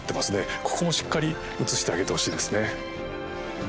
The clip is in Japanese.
ここもしっかり写してあげてほしいですね。